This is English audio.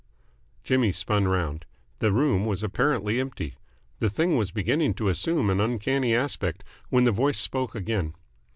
Jimmy spun round. The room was apparently empty. The thing was beginning to assume an uncanny aspect, when the voice spoke again.